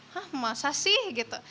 hah masa sih